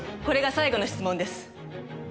これが最後の質問です。